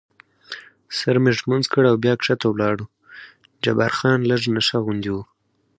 سر مې ږمنځ کړ او بیا کښته ولاړو، جبار خان لږ نشه غوندې و.